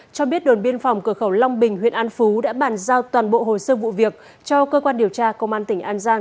cho biết đồn biên phòng cửa khẩu long bình huyện an phú đã bàn giao toàn bộ hồ sơ vụ việc cho cơ quan điều tra công an tỉnh an giang